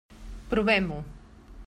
Provem-ho.